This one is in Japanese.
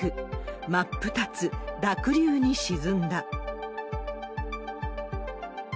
真っ二つ、濁流に沈んだ。